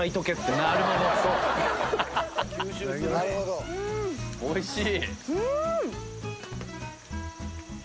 麺おいしい。